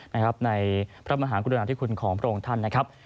ในพระมหากรุณาธิคุณของพระองค์ท่านนะครับ